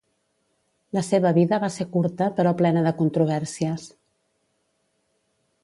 La seva vida va ser curta però plena de controvèrsies.